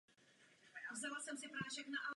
Tato věta je založena na axiomu výběru.